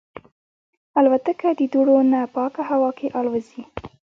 الوتکه د دوړو نه پاکه هوا کې الوزي.